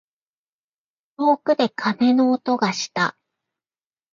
遠くで鐘の音がした。